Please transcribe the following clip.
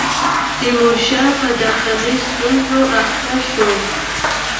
تیمورشاه په داخلي ستونزو اخته شو.